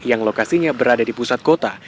yang lokasinya berada di pusat kota